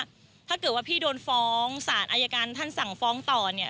ถ้าเกิดว่าพี่โดนฟ้องศาลอายการท่านสั่งฟ้องต่อเนี่ย